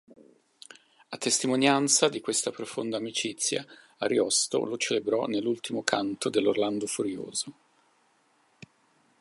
A testimonianza di questa profonda amicizia, Ariosto lo celebrò nell’ultimo canto dell’"Orlando Furioso".